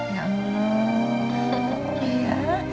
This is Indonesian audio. ya allah ya